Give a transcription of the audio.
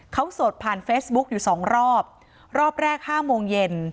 เขาโสดผ่านเฟซบุ๊กอยู่สองรอบรอบแรกห้าโมงเย็น